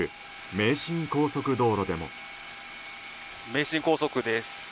名神高速です。